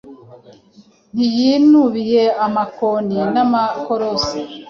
Ntiyinubiye amakoni n'amakorosi,